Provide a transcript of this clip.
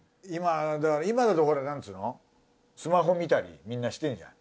だから今だとなんつうのスマホ見たりみんなしてんじゃん。